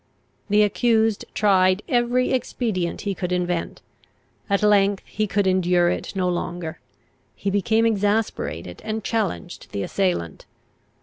The accused tried every expedient he could invent; at length he could endure it no longer; he became exasperated, and challenged the assailant.